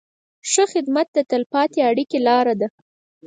ښه خدمت د تل پاتې اړیکې لاره ده.